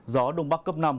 gió đông bắc cấp năm